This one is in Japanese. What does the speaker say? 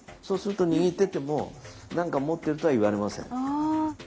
そうすると握ってても「何か持ってる」とは言われません。